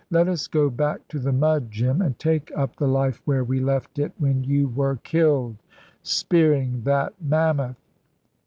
Let us go back to the mud, Jim, and take up the life where we left it when you were killed, spearing that mammoth."